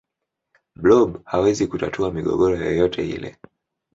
blob hawezi kutatua migogoro yoyote hile